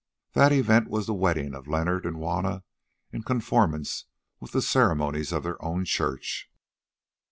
That event was the wedding of Leonard and Juanna in conformance with the ceremonies of their own church.